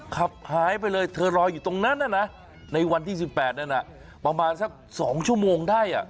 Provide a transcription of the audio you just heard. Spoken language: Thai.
ขับหายไปเลยเธอรออยู่ตรงนั้นน่ะนะในวันที่สิบแปดนั้นน่ะประมาณสักสองชั่วโมงได้อ่ะ